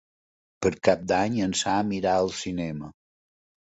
Per Cap d'Any en Sam irà al cinema.